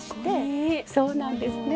そうなんですね。